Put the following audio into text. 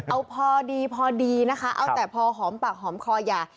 เอาพอดีพอดีนะคะเอาแต่พอหอมปากหอมคออย่า